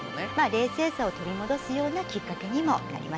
冷静さを取り戻すようなきっかけにもなります。